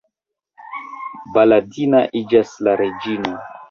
Baladina iĝas la reĝino.